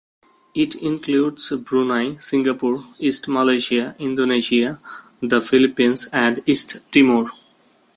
It includes Brunei, Singapore, East Malaysia, Indonesia, the Philippines and East Timor.